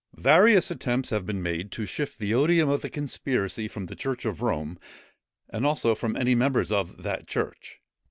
Various attempts have been made to shift the odium of the conspiracy from the church of Rome, and also from any members of that church.